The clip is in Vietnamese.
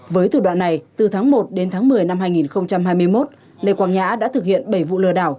với thủ đoạn này từ tháng một đến tháng một mươi năm hai nghìn hai mươi một lê quang nhã đã thực hiện bảy vụ lừa đảo